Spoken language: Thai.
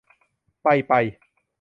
ไปไป